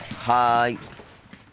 はい。